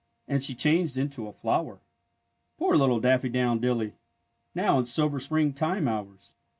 And she changed into a flower. Poor little Daffy do wn dilly ! Now in silver sprmg time hours.